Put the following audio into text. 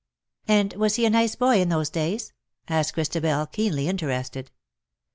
" And was he a nice boy in those days V asked Christabel, keenly interested.